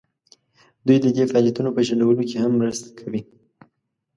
دوی د دې فعالیتونو په شنډولو کې هم مرسته کوي.